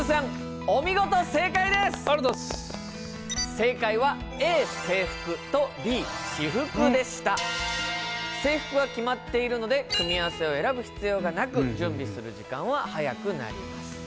正解は制服は決まっているので組み合わせを選ぶ必要がなく準備する時間は早くなります。